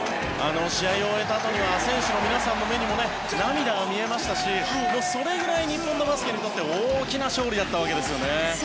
試合を終えたあとには選手の皆さんの目にも涙が見えましたしそれぐらい日本のバスケにとって大きな勝利だったわけですよね。